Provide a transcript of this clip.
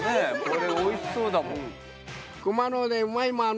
これ美味しそうだもん。